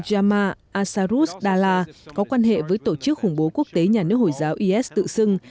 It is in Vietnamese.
jama asarus dala có quan hệ với tổ chức khủng bố quốc tế nhà nước hồi giáo is tự xưng